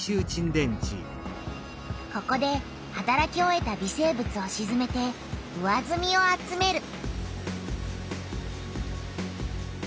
ここではたらき終えた微生物をしずめて上ずみを集める。